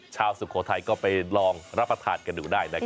สุโขทัยก็ไปลองรับประทานกันดูได้นะครับ